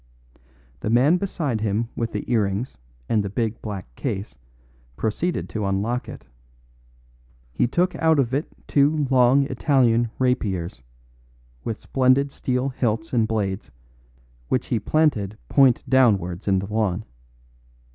The man beside him with the earrings and the big black case proceeded to unlock it. He took out of it two long Italian rapiers, with splendid steel hilts and blades, which he planted point downwards in the lawn.